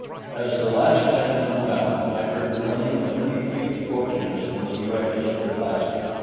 As the last man went down, I heard the running of many feet approaching us from the direction of the plaza.